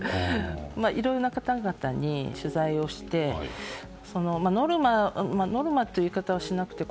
いろいろな方々に取材をしてノルマという言い方はしなくて。